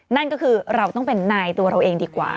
นั่นก็คือเราต้องเป็นนายตัวเราเองดีกว่า